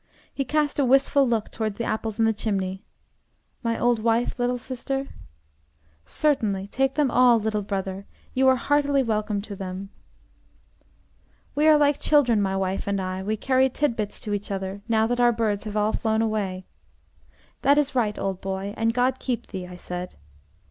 He cast a wistful look toward the apples in the chimney: "My old wife, little sister?" "Certainly, take them all, little brother, you are heartily welcome to them." "We are like children, my wife and I, we carry tidbits to each other, now that our birds have all flown away." "That is right, old boy, and God keep thee!" I said.